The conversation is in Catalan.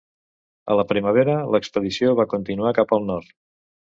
A la primavera, l'expedició va continuar cap al nord.